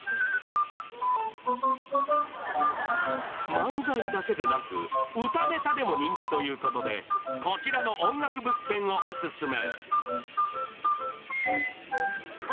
漫才だけでなく、歌ネタでも人気ということでこちらの音楽物件をオススメ。